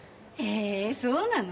えそうなの？